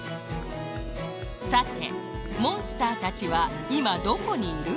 さてモンスターたちはいまどこにいる？